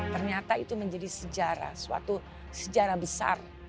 ternyata itu menjadi sejarah suatu sejarah besar